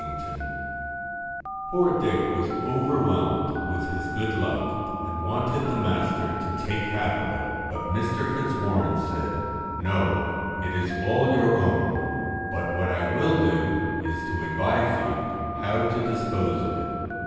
TINGTON Poor Dick was overwhelmed with his good luck, %S and wanted the master to take half of it ; but Mr. Fitzwarren said: 'No. It is all your own; but what I will do is to advise you how to dispose of it.'